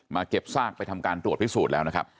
เก็บซากไปทำการตรวจพิสูจน์แล้วนะครับ